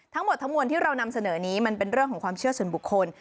ทั้งหมดทั้งมวลที่เรานำเสนอนี้มันเป็นเรื่องของความเชื่อส่วนบุคคล